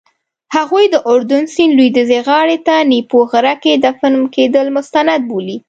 هغوی د اردن سیند لویدیځې غاړې ته نیپو غره کې دفن کېدل مستند بولي.